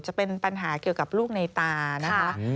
จะเป็นปัญหาเกี่ยวกับลูกในตานะคะ